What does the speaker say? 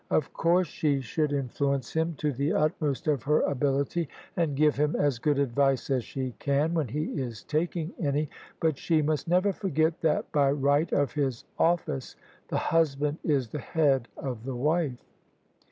Of course she should influence him to the utmost of her ability, and give him as good advice as she can, when he is taking any; but she must never forget that — ^by right of his ofiice — the husband is the head of the wife."